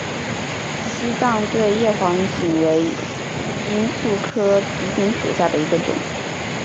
西藏对叶黄堇为罂粟科紫堇属下的一个种。